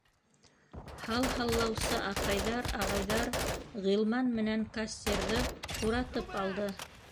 Һал һаллаусы апайҙар, ағайҙар Ғилман менән кассирҙы уратып алды.